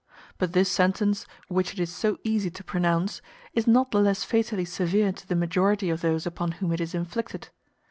But this sentence, which it is so easy to pronounce, is not the less fatally severe to the majority of those upon whom it is inflicted.